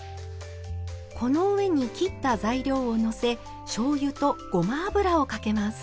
この上に切った材料をのせしょうゆとごま油をかけます。